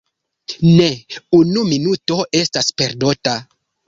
Ne unu minuto estas perdota.